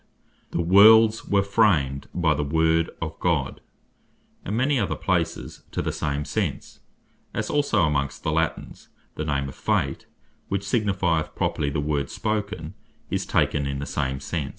3.) "The worlds were framed by the Word of God;" and many other places to the same sense: As also amongst the Latines, the name of Fate, which signifieth properly The Word Spoken, is taken in the same sense.